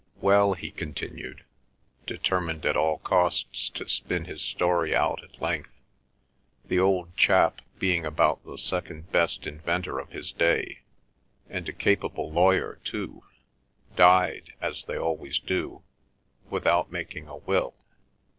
"Well," he continued, determined at all costs to spin his story out at length, "the old chap, being about the second best inventor of his day, and a capable lawyer too, died, as they always do, without making a will.